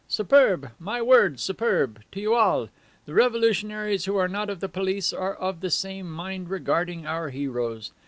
Superb! My word, superb! To you all! The revolutionaries who are not of the police are of the same mind regarding our heroes.